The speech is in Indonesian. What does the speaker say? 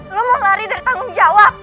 lo mau lari dari tanggung jawab